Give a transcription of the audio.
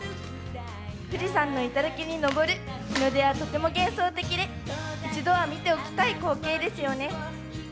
富士山の頂に登るのではとても幻想的で一度は見ておきたい光景ですよね。